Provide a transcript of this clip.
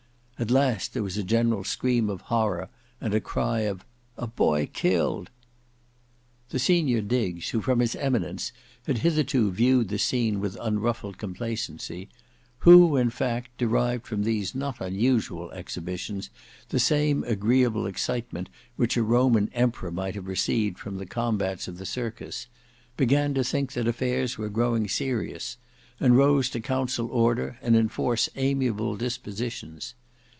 At last there was a general scream of horror, and a cry of "a boy killed." The senior Diggs, who, from his eminence, had hitherto viewed the scene with unruffled complacency; who, in fact, derived from these not unusual exhibitions the same agreeable excitement which a Roman emperor might have received from the combats of the circus; began to think that affairs were growing serious, and rose to counsel order and enforce amiable dispositions.